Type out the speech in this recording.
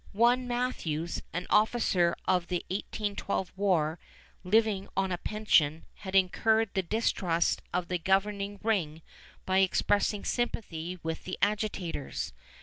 One Matthews, an officer of the 1812 War, living on a pension, had incurred the distrust of the governing ring by expressing sympathy with the agitators.